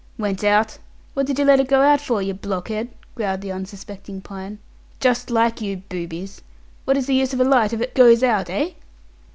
"Went out! What did you let it go out for, you blockhead!" growled the unsuspecting Pine. "Just like you boobies! What is the use of a light if it 'goes out', eh?"